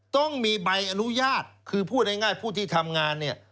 ต้องมีใบอนุญาตคือพูดง่ายผู้ที่ทำงานเนี่ย